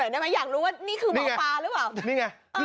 สาธุ